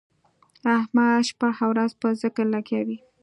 احمد شپه او ورځ په ذکر لګیا وي.